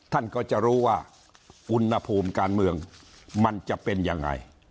ท่านก็จะรู้ว่าอุณหภูมิการเมืองมันจะเป็นยังไง